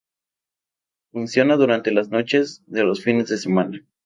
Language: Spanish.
Funciona durante las noches de los fines de semana.